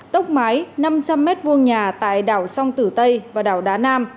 tốc mái năm trăm linh m hai nhà tại đảo song tử tây và đảo đá nam